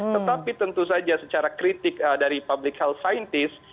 tetapi tentu saja secara kritik dari public health scientist